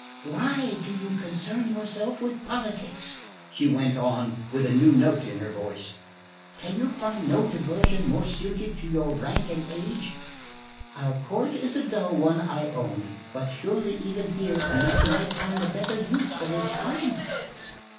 "Why do you concern yourself with politics?" she went on with a new note in her voice. "Can you find no diversion more suited to your rank and age? Our court is a dull one, I own but surely even here a man might find a better use for his time."